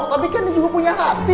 tapi kan dia juga punya hati